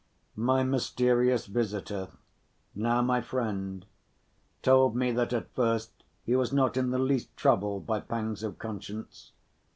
My mysterious visitor, now my friend, told me that at first he was not in the least troubled by pangs of conscience.